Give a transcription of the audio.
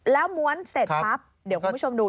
แล้วม้วนเสร็จปั๊บเดี๋ยวคุณผู้ชมดู